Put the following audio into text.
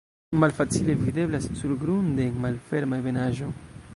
Malfacile videblas surgrunde en malferma ebenaĵo.